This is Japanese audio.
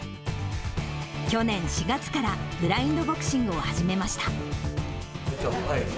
去年４月からブラインドボクシングを始めました。